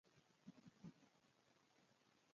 دوی ته یې برګ برګ کتل سخت په غوسه و.